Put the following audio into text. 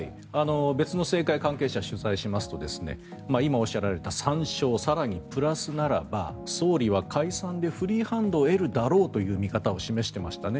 別の政界関係者を取材しますと今おっしゃられた３勝更にプラスならば総理は解散でフリーハンドを得るだろうという見方を示してましたね。